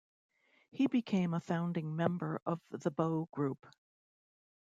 He became a founding member of the Bow Group.